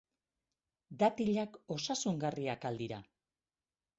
Datilak osasungarriak al dira?